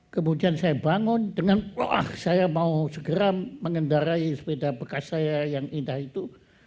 kemudian saya bangun dengan wah saya mau segera mengendarai sepeda bekas saya yang indah itu